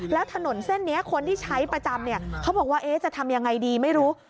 แล้วถนนเส้นนี้คนที่ใช้ประจำเขาบอกว่าจะทำยังไงดีไม่รู้